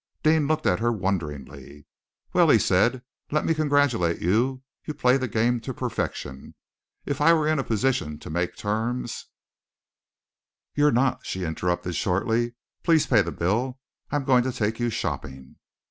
Deane looked at her wonderingly. "Well," he said, "let me congratulate you. You play the game to perfection. If I were in a position to make terms " "You are not," she interrupted shortly. "Please to pay the bill. I am going to take you shopping."